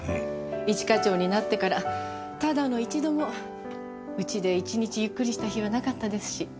一課長になってからただの一度も家で一日ゆっくりした日はなかったですし。